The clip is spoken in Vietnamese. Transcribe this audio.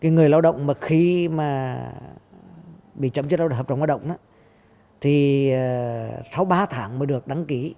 người lao động mà khi mà bị chấm dứt hợp đồng lao động thì sau ba tháng mới được đăng ký